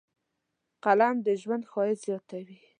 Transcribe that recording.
قلم د ژوند ښایست زیاتوي